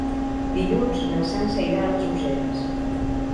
Dilluns na Sança irà a les Useres.